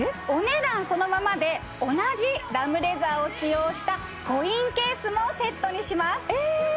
お値段そのままで同じラムレザーを使用したコインケースもセットにします